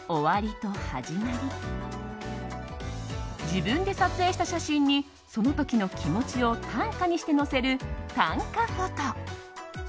自分で撮影した写真にその時の気持ちを短歌にして載せる、短歌フォト。